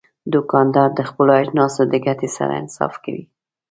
دوکاندار د خپلو اجناسو د ګټې سره انصاف کوي.